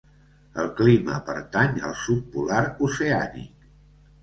El clima pertany al subpolar oceànic.